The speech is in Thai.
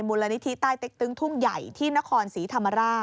มูลนิธิใต้เต็กตึงทุ่งใหญ่ที่นครศรีธรรมราช